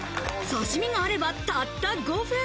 刺身があれば、たった５分。